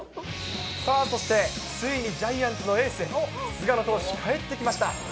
さあ、そしてついにジャイアンツのエース、菅野投手、帰ってきました。